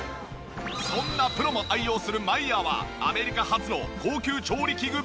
そんなプロも愛用するマイヤーはアメリカ発の高級調理器具ブランド。